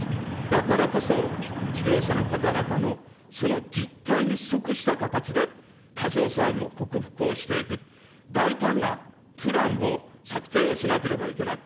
だからこそ、事業者の方々のその実態に即した形で過剰債務を克服をしていく、大胆なプランを策定をしなければいけない。